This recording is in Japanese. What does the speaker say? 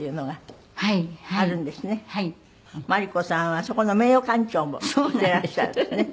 末利子さんはそこの名誉館長もしていらっしゃるんですね。